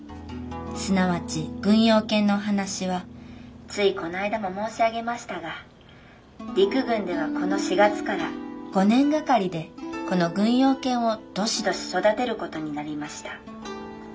すなわち軍用犬のお話はついこの間も申し上げましたが陸軍ではこの４月から５年掛かりでこの軍用犬をどしどし育てる事になりました。